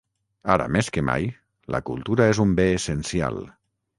Ara més que mai, la cultura és un bé essencial.